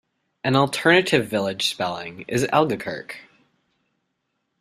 An alternative village spelling is 'Algakirk'.